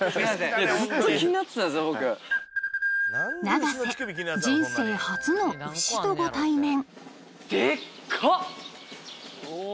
永瀬人生初の牛とご対面